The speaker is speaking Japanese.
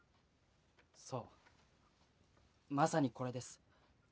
そうまさにこれです